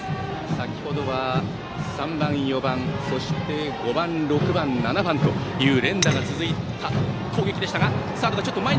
先程は３番、４番５番、６番、７番という連打が続いた攻撃でした。